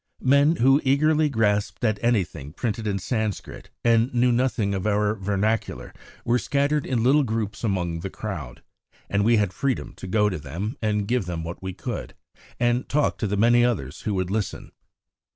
Men who eagerly grasped at anything printed in Sanscrit and knew nothing of our vernacular were scattered in little groups among the crowd, and we had freedom to go to them and give them what we could, and talk to the many others who would listen.